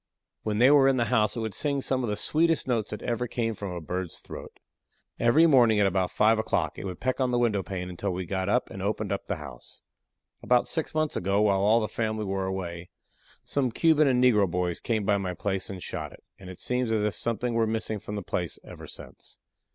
When they were in the house it would sing some of the sweetest notes that ever came from a bird's throat. Every morning at about 5 o'clock it would peck on the window pane until we got up and opened up the house. About six months ago while all the family were away some Cuban and negro boys came by my place and shot it, and it seems as if something were missing from the place ever since.